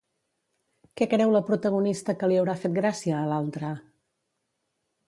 Què creu la protagonista que li haurà fet gràcia a l'altra?